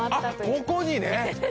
ここにね。